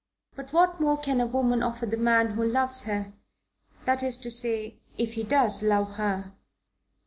"But what more can a woman offer the man who loves her that is to say if he does love her?"